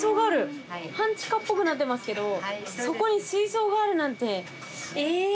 半地下っぽくなってますけどそこに水槽があるなんてえぇ！